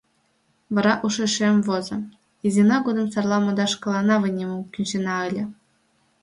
Вара ушешем возо: изина годым сарла модаш шкаланна вынемым кӱнченна ыле.